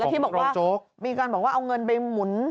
ที่บอกว่ามีการบอกว่าเอาเงินไปหมุน